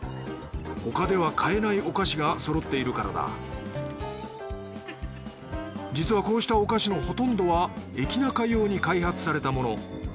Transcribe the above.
他では買えないお菓子がそろっているからだ実はこうしたお菓子のほとんどは駅ナカ用に開発されたもの。